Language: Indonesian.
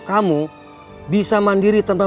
kamu bisa mandiri tanpa